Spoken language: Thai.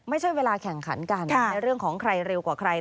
ไม่ใช่เวลาแข่งขันกันในเรื่องของใครเร็วกว่าใคร